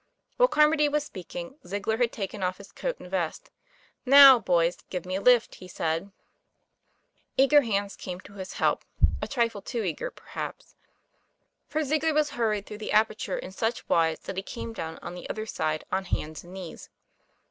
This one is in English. While Carmody was speaking, Ziegler had taken off his coat and vest. ' Now, boys, give me a lift," he said. TOM PLAYFAIR. 191 Eager hands came to his help a trifle too eager, perhaps; for Ziegler was hurried through the aper ture in such wise that he came down on the other side on hands and knees.